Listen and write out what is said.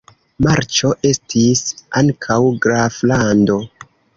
Marĉo estis ankaŭ graflando.